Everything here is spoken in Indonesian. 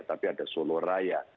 tapi ada solo raya